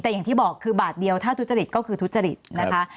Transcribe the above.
แต่อย่างที่บอกคือบาทเดียวถ้าทุจริตก็คือทุจริตนะคะ